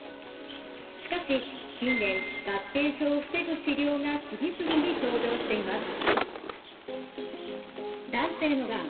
しかし近年合併症を防ぐ治療が次々に登場しています。